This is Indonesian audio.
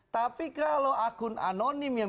tapi kalau akun anonim yang